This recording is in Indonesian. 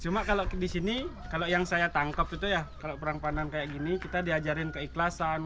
cuma kalau di sini kalau yang saya tangkap itu ya kalau perang pandan kayak gini kita diajarin keikhlasan